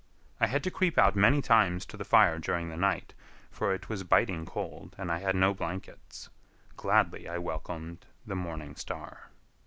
I had to creep out many times to the fire during the night, for it was biting cold and I had no blankets. Gladly I welcomed the morning star.